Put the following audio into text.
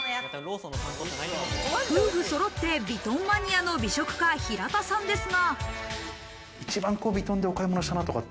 夫婦そろってヴィトンマニアの美食家・平田さんですが。